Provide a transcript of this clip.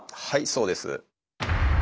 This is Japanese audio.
はいそうです。